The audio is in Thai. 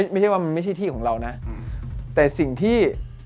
ไม่ใช่ว่ามันไม่ใช่ที่ของเรานะแต่สิ่งที่